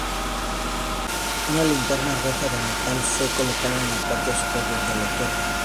Una linterna roja de metal fue colocada en la parte superior de la torre.